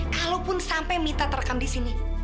kalaupun sampai mita terekam di sini